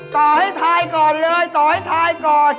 ต่อให้ทายก่อนเลยต่อให้ทายก่อน